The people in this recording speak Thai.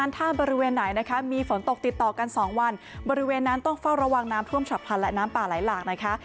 ตกติดต่อกัน๒วันบริเวณนั้นต้องเฝ้าระวังน้ำท่วมฉับพันธุ์และน้ำป่าหลายหลากนะคะ